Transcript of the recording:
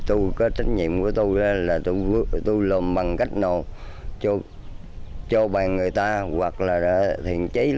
tôi có trách nhiệm của tôi là tôi làm bằng cách nào cho bàn người ta hoặc là thiện chế